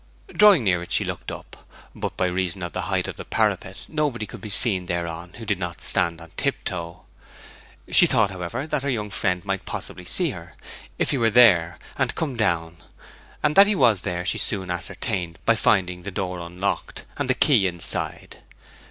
Drawing near it she looked up; but by reason of the height of the parapet nobody could be seen thereon who did not stand on tiptoe. She thought, however, that her young friend might possibly see her, if he were there, and come down; and that he was there she soon ascertained by finding the door unlocked, and the key inside.